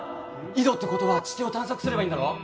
井戸ってことは地底を探索すればいいんだろ